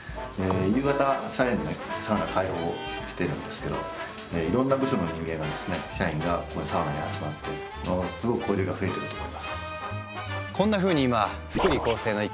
夕方社員にサウナ開放してるんですけどいろんな部署の人間がですね社員がサウナに集まってすごく交流が増えてると思います。